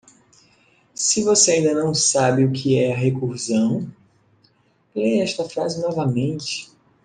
Se você ainda não sabe o que é a recursão?, leia esta frase novamente.